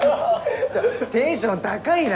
テンション高いな。